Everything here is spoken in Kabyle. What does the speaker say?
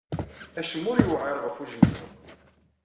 Acemma ur yewɛiṛ ɣef ujenyuṛ.